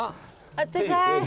あったかい。